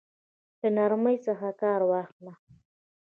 له نرمۍ څخه كار واخله!